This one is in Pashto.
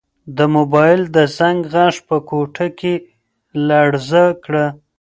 د موبایل د زنګ غږ په کوټه کې لړزه کړه.